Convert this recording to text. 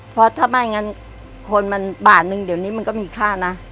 เพราะถ้าไม่งั้นคนมันบาทนึงเดี๋ยวนี้มันก็มีค่านะ